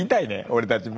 俺たちも。